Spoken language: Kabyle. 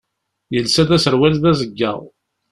Yelsa-d aserwal d azeggaɣ.